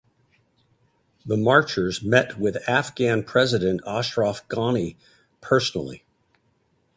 The marchers met with Afghan President Ashraf Ghani personally.